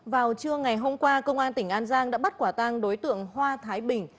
vào trưa ngày hôm qua công an tỉnh an giang đã bắt quả tang đối tượng hoa thái bình